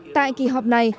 tại kỳ họp này